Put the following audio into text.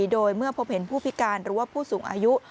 โดยเมื่อพบเห็นผู้พิการหรือว่าผู้สูงอายุ